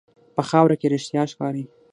په خاوره کې رښتیا ښکاري.